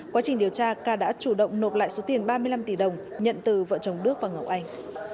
quá trình điều tra ca đã chủ động nộp lại số tiền ba mươi năm tỷ đồng nhận từ vợ chồng đức và ngọc anh